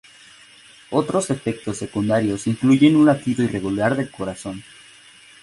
Otros efectos secundarios incluyen un latido irregular del corazón.